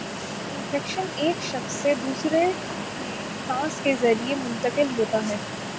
infection ایک شخص سے دوسرے میں سانس کے ذریعے منتقل ہوتا ہے